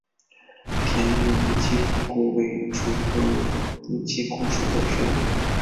田野拟漆姑为石竹科拟漆姑属的植物。